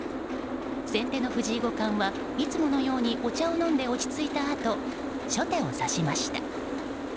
先手の藤井五冠はいつものようにお茶を飲んで落ち着いたあと初手を指しました。